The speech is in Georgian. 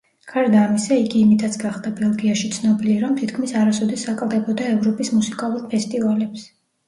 გარდა ამისა, იგი იმითაც გახდა ბელგიაში ცნობილი, რომ თითქმის არასოდეს აკლდებოდა ევროპის მუსიკალურ ფესტივალებს.